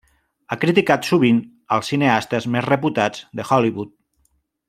Ha criticat sovint els cineastes més reputats de Hollywood.